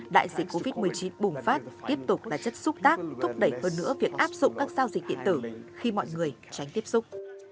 đại dịch covid một mươi chín bùng phát tiếp tục là chất xúc tác thúc đẩy hơn nữa việc áp dụng các giao dịch điện tử khi mọi người tránh tiếp xúc